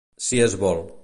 Si es vol.